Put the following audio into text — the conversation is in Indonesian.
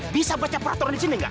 bisa baca peraturan disini gak